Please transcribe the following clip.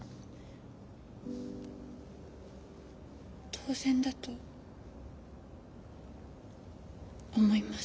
当然だと思います。